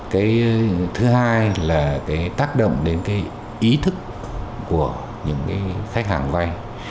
cái thứ hai là cái tác động đến cái ý thức của những cái khách hàng vay